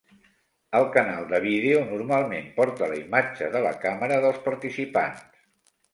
El canal de vídeo normalment porta la imatge de la càmera dels participants.